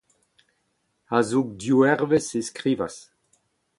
A-zoug div eurvezh e skrivas.